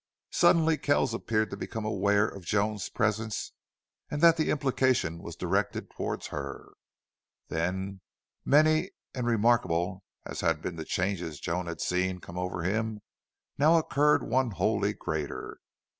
Suddenly Kells appeared to become aware of Joan's presence and that the implication was directed toward her. Then, many and remarkable as had been the changes Joan had seen come over him, now occurred one wholly greater.